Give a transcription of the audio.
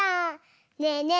ねえねえ